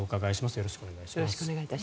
よろしくお願いします。